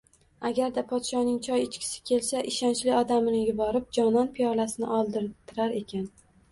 Agarda podshoning choy ichkisi kelsa, ishonchli odamini yuborib, jonon piyolasini oldirtirar ekan